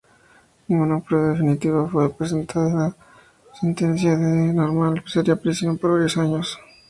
Ninguna prueba definitiva fue presentada y la sentencia normal sería prisión por varios años.